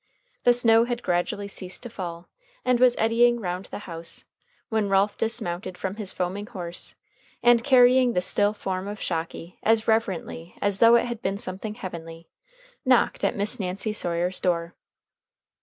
The snow had gradually ceased to fall, and was eddying round the house, when Ralph dismounted from his foaming horse, and, carrying the still form of Shocky as reverently as though it had been something heavenly, knocked at Miss Nancy Sawyer's door.